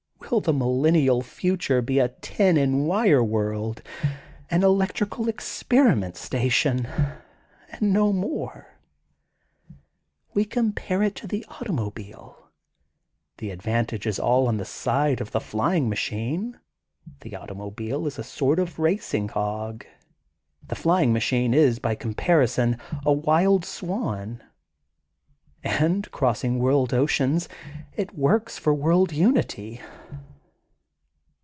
Will the mil lennial future be a tin and wire world, an elec trical experiment station, and no moref We compare it to the automobile. The ad vantage is all on the side of the flying ma chine. The automobile is a sort of racing hog. The flying machine is, by comparison, a wild swan. And, crossing world oceans, it works for world unity.''